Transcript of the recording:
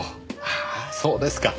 あそうですか。